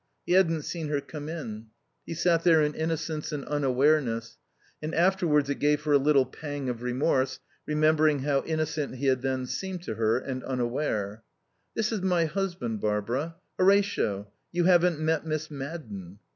He hadn't seen her come in. He sat there in innocence and unawareness; and afterwards it gave her a little pang of remorse remembering how innocent he had then seemed to her and unaware. "This is my husband, Barbara. Horatio, you haven't met Miss Madden."